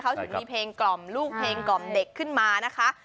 เขาถึงมีเพลงกล่อมลูกเพลงกล่อมเด็กขึ้นมานะคะ